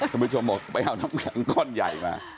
คุณผู้ชมบอกไปเอาน้ำแข็งก้อนใหญ่มา